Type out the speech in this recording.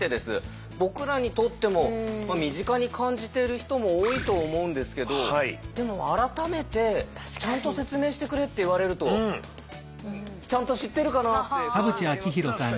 僕らにとっても身近に感じてる人も多いと思うんですけどでも改めてちゃんと説明してくれって言われるとちゃんと知ってるかなって不安になりますよね。